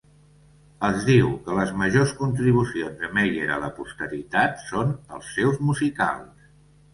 Es diu que les majors contribucions de Mayer a la posteritat són els seus musicals.